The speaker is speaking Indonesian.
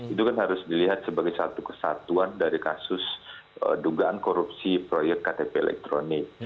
itu kan harus dilihat sebagai satu kesatuan dari kasus dugaan korupsi proyek ktp elektronik